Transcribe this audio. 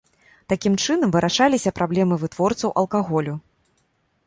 Такім чынам вырашаліся праблемы вытворцаў алкаголю.